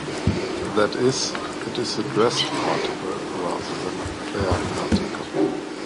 That is, it is a dressed particle rather than a bare particle.